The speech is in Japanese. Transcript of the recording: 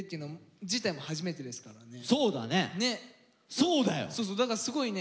そうだね。